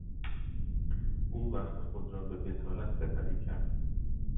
او وقت خود را به بطالت سپری کرد.